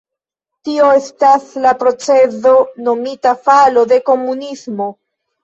Tio estas la procezo nomita falo de komunismo.